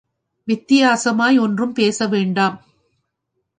வித்தியாசமாய் ஒன்றும் பேச வேண்டாம்.